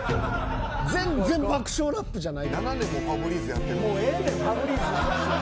全然爆笑ラップじゃない。